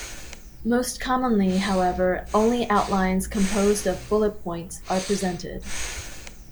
Most commonly, however, only outlines composed of "bullet points" are presented.